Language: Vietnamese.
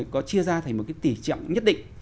có chia ra thành một cái tỉ trọng nhất định